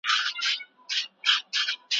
علماء بايد د کومو تصميمونو مخه ونيسي؟